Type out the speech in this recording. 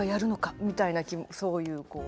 みたいなそういうこう。